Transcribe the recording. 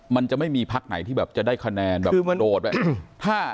มันจะไม่มีภาคไหนจะได้คะแนนโดดไว้